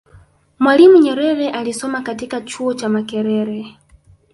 mwalimu Nyerere alisoma katika chuo cha makerere